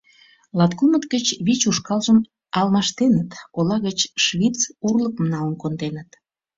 Латкумыт гыч вич ушкалжым алмаштеныт, ола гыч «швиц» урлыкым налын конденыт.